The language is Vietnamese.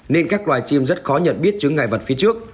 nên các loài chim rất khó nhận biết chứ ngại vật phía trước